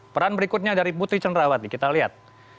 peran berikutnya dari putri cenerawat nih kita lihat